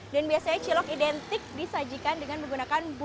dan biasanya cilok identik disajikan dengan menggunakan bumbu